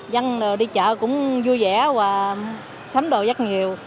dân đi chợ cũng vui vẻ và sắm đồ dắt nhiều